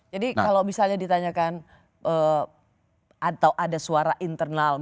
jadi kalau misalnya ditanyakan atau ada suara internal